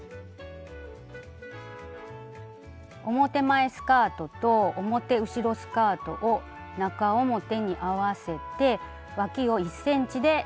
表前スカートと表後ろスカートを中表に合わせてわきを１ｃｍで縫います。